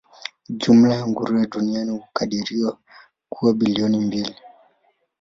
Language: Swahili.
Jumla ya nguruwe duniani hukadiriwa kuwa bilioni mbili.